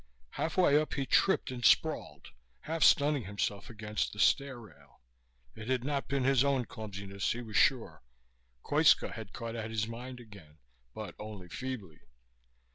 Halfway up he tripped and sprawled, half stunning himself against the stair rail. It had not been his own clumsiness, he was sure. Koitska had caught at his mind again, but only feebly.